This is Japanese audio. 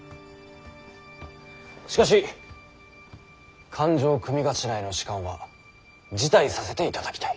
しかし勘定組頭への仕官は辞退させていただきたい。